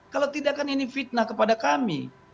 kalau tidak kan ini fitnah kepada kami